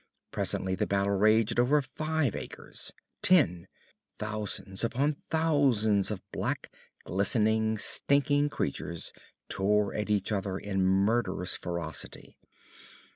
Presently the battle raged over five acres. Ten. Thousands upon thousands of black, glistening, stinking creatures tore at each other in murderous ferocity.